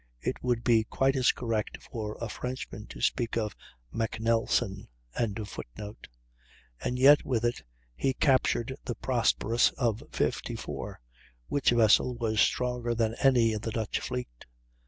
It would be quite as correct for a Frenchman to speak of MacNelson.] and yet with it he captured the Prosperous of 54; which vessel was stronger than any in the Dutch fleet.